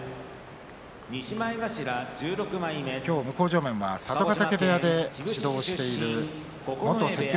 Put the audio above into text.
今日、向正面は佐渡ヶ嶽部屋で指導している元関脇